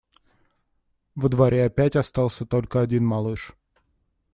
Во дворе опять остался только один малыш.